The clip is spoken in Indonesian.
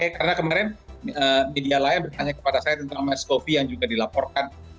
karena kemarin media lain bertanya kepada saya tentang medscovi yang juga dilaporkan